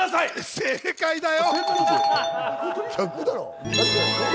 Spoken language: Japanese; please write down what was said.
正解だよ。